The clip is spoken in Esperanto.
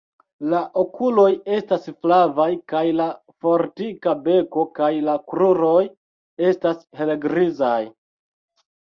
La okuloj estas flavaj kaj la fortika beko kaj la kruroj estas helgrizaj.